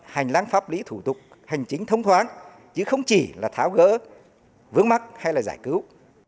hành lang pháp lý thủ tục hành chính thông thoáng chứ không chỉ là tháo gỡ vướng mắt hay là giải cứu